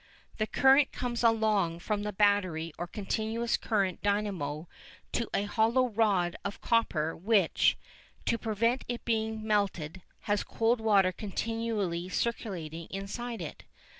The current comes along from the battery or continuous current dynamo to a hollow rod of copper which, to prevent it being melted, has cold water continually circulating inside it.